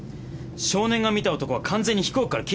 少年が見た男は完全に飛行機から消えてしまったんだ！